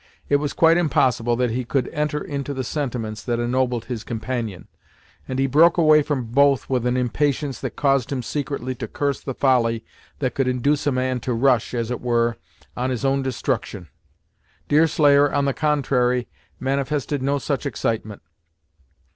It was quite impossible that he could enter into the sentiments that ennobled his companion, and he broke away from both with an impatience that caused him secretly to curse the folly that could induce a man to rush, as it were, on his own destruction. Deerslayer, on the contrary, manifested no such excitement.